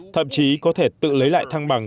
thậm chí có thể tự lấy lại thăng bằng